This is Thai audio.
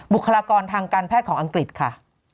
บุคลากรทางการแพทย์ของอังกฤษค่ะ